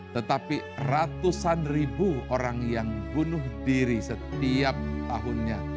tetapi ratusan ribu orang yang bunuh diri setiap tahunnya